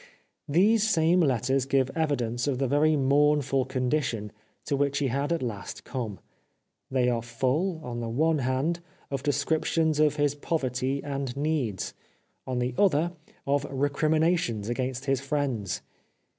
These same letters give evidence of the very mournful condition to which he had at last come. They are full, on the one hand, of de scriptions of his poverty and needs ; on the other of recriminations against his friends.